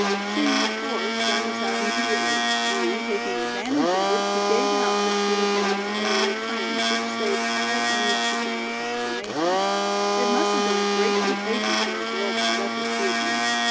She, of course, found this out immediately, and taking advantage of it, she gave out that she had been on the earlier train, which saved all unnecessary explanations. It must have been a great temptation for a girl brought up as she had been.